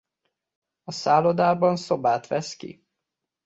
A szállodában szobát vesz ki.